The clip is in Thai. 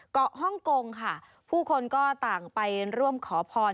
เกาะฮ่องกงค่ะผู้คนก็ต่างไปร่วมขอพร